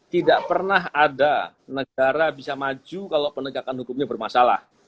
tidak pernah ada negara bisa maju kalau penegakan hukumnya bermasalah